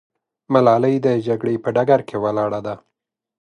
ملالۍ د جګړې په ډګر کې ولاړه ده.